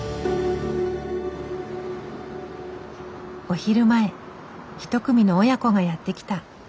お昼前一組の親子がやって来た。